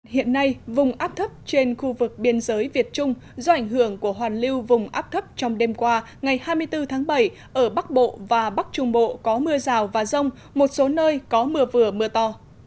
hiện nay vùng áp thấp trên khu vực biên giới việt trung do ảnh hưởng của hoàn lưu vùng áp thấp trong đêm qua ngày hai mươi bốn tháng bảy ở bắc bộ và bắc trung bộ có mưa rào và rông một số nơi có mưa vừa mưa to